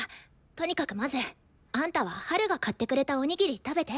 とにかくまずあんたはハルが買ってくれたおにぎり食べて。